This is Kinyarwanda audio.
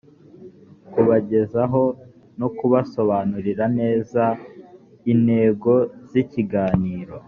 kubagezaho no kubasobanurira neza intego z ikiganiro